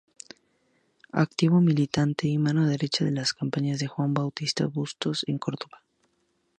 Activo militante y mano derecha en las campañas de Juan Bautista Bustos en Córdoba.